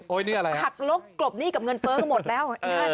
โอ๊ยหักลบหนี้กับเงินเฟ้อก็หมดแล้ว